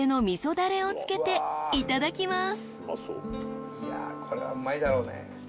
だれをつけていただきます］